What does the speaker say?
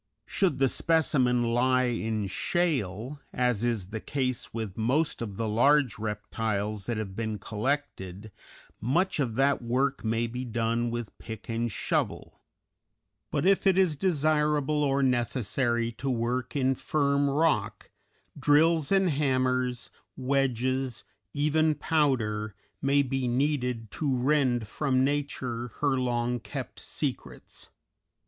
Should the specimen lie in shale, as is the case with most of the large reptiles that have been collected, much of that work may be done with pick and shovel; but if it is desirable or necessary to work in firm rock, drills and hammers, wedges, even powder, may be needed to rend from Nature her long kept secrets.